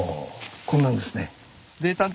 こんなんですね。